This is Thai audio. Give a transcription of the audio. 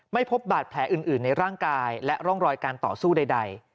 ไม่พบบาดแผลอื่นในร่างกายและร่องรอยการต่อสู้ใด